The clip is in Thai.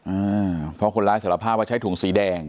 อ่าเพราะคนร้ายสารภาพว่าใช้ถุงสีแดง